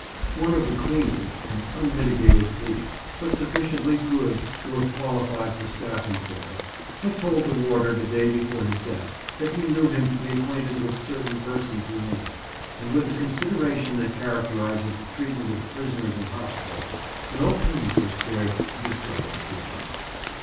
One of the cleaners—an unmitigated thief, but sufficiently good to have qualified for staff employ—had told the warder the day before his death that he knew him to be acquainted with certain persons he named; and with the consideration that characterizes the treatment of prisoners in hospital, no pains were spared to discover the creatures.